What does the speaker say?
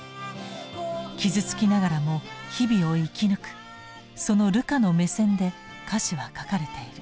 傷つきながらも日々を生き抜くそのルカの目線で歌詞は書かれている。